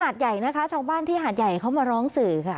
หาดใหญ่นะคะชาวบ้านที่หาดใหญ่เขามาร้องสื่อค่ะ